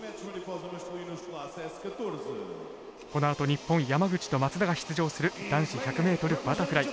このあと日本山口と松田が出場する男子１００ｍバタフライ。